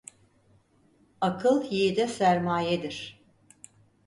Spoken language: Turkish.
Akıl yiğide sermayedir.